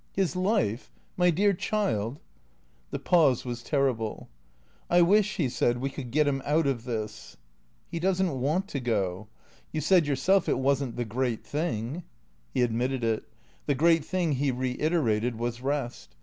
" His life ? My dear child " The pause was terrible. " I wish/' he said, " we could get him out of this." " He does n't want to go. You said yourself it was n't the great thing." He admitted it. The great thing, he reiterated, was rest.